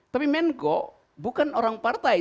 tapi menko bukan orang partai